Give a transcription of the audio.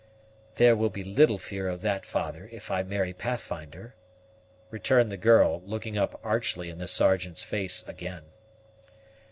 "There will be little fear of that, father, if I marry Pathfinder," returned the girl, looking up archly in the Sergeant's face again.